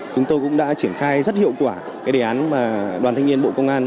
chúng tôi cũng đã triển khai rất hiệu quả đề án mà đoàn thanh niên bộ công an